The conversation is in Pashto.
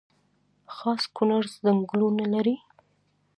خاص کونړ ځنګلونه لري؟